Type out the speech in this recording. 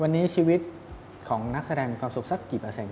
วันนี้ชีวิตของนักแสดงความสุขสักกี่เป็นสัญญา